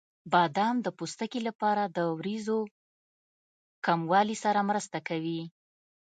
بادام د پوستکي لپاره د وریځو کموالي سره مرسته کوي.